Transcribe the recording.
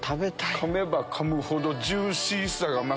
かめばかむほどジューシーさが増す。